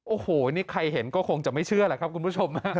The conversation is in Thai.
โอ้โหนี่ใครเห็นก็คงจะไม่เชื่อแหละครับคุณผู้ชม